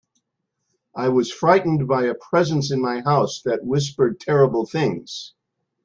I was frightened by a presence in my house that whispered terrible things.